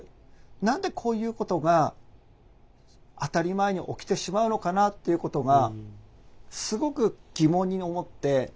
何でこういうことが当たり前に起きてしまうのかなっていうことがすごく疑問に思って。